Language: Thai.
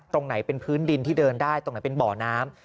ตรงไหนเป็นพื้นดินที่เดินได้ตรงไหนเป็นบ่อน้ำ